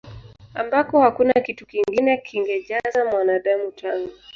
ambako hakuna kitu kingine kingejaza Mwanadamu tangu